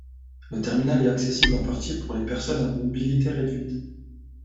Le terminal est accessible en partie pour les personnes à mobilité réduite.